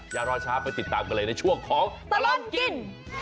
อย่ารอช้าไปติดตามกันเลยในช่วงของตลอดกิน